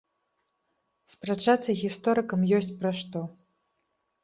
Спрачацца гісторыкам ёсць пра што.